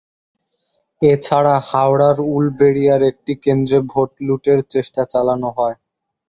এ ছাড়া হাওড়ার উলবেড়িয়ার একটি কেন্দ্রে ভোট লুটের চেষ্টা চালানো হয়।